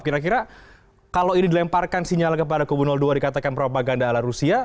kira kira kalau ini dilemparkan sinyal kepada kubu dua dikatakan propaganda ala rusia